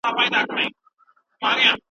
د تایرایډ هورمونونه مزاج تنظیموي.